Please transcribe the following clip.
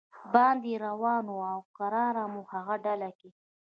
باندې روان و او کرار مو په هغه ډله کې.